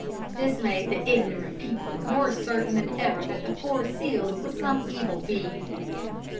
This made the ignorant people more certain than ever that the poor seal was some evil being.